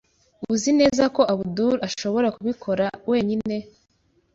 Uzi neza ko Abdul ashobora kubikora wenyine?